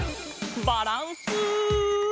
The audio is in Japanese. バランス。